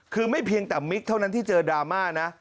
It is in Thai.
คือไม่เพียงแต่มิกเท่านั้นที่เจอดราม่านะ